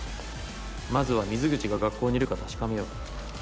まずは水口が学校にいるか確かめよう。